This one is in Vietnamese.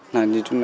là như chúng ta